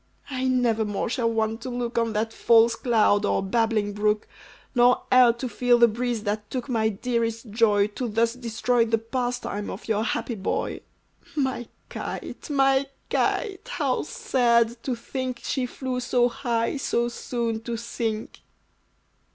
"I never more shall want to look On that false cloud, or babbling brook; Nor e'er to feel the breeze that took My dearest joy, to thus destroy The pastime of your happy boy. My kite! my kite! how sad to think She flew so high, so soon to sink!"